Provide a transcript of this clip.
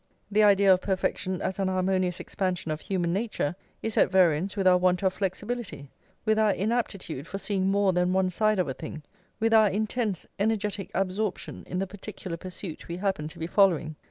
The idea of perfection as an harmonious expansion of human nature is at variance with our want of flexibility, with our inaptitude for seeing more than one side of a thing, with our intense energetic absorption in the particular pursuit we happen to be following.